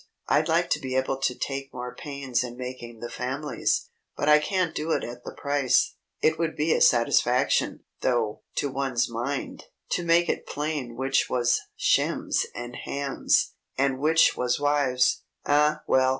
I'd like to be able to take more pains in making the families, but I can't do it at the price. It would be a satisfaction, though, to one's mind, to make it plain which was Shems and Hams, and which was wives. Ah, well!